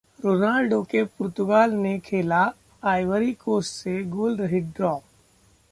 Ronaldo के पुर्तगाल ने खेला आइवरी कोस्ट से गोलरहित ड्रॉ